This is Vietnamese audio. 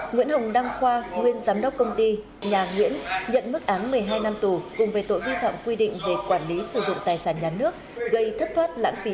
nguyễn hồng đăng khoa nguyên giám đốc công ty nhà nguyễn nhận mức án một mươi hai năm tù cùng về tội vi phạm quy định về quản lý sử dụng tài sản nhà nước gây thất thoát lãng phí